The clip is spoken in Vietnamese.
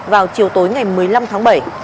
vào chiều tối ngày một mươi năm tháng bảy